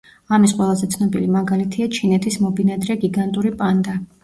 ამის ყველაზე ცნობილი მაგალითია ჩინეთის მობინადრე გიგანტური პანდა.